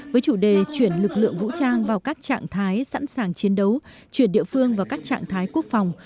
với chủ đề chuyển lực lượng vũ trang vào các trạng thái sẵn sàng chiến đấu chuyển địa phương vào các trạng thái quốc phòng